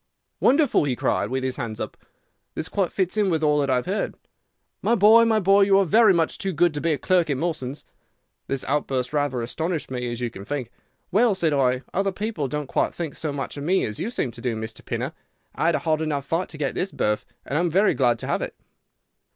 "'Wonderful!' he cried, with his hands up. 'This quite fits in with all that I had heard. My boy, my boy, you are very much too good to be a clerk at Mawson's!' "This outburst rather astonished me, as you can think. 'Well,' said I, 'other people don't think quite so much of me as you seem to do, Mr. Pinner. I had a hard enough fight to get this berth, and I am very glad to have it.